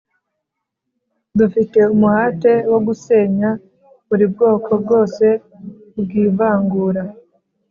Dufite umuhate wo gusenya buri bwoko bwose bwivangura